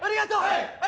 はい。